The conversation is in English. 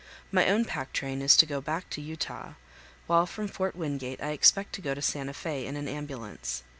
My own pack train is to go back to Utah, while from Fort Wingate I expect to go to Santa Fe in an ambulance.